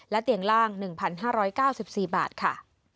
เตียงล่าง๑๕๙๔บาทค่ะ